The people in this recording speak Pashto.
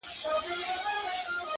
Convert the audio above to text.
را معلوم به شیخه ستا هلته ایمان سي,